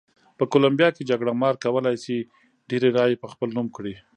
په کولمبیا کې جګړه مار کولای شي ډېرې رایې په خپل نوم کړي.